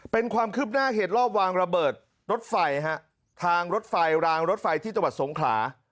เป็นความครึบหน้าเหตุรอบวางระเบิดรถไฟทางรถไฟรางที่สงขลา